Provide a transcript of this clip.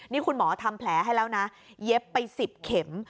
นี่คุณหมอทำแผลให้แล้วนะเย็บไป๑๐เข็ม